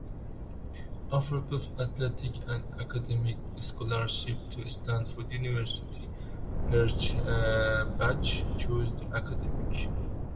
Offered both athletic and academic scholarships to Stanford University, Herschbach chose the academic.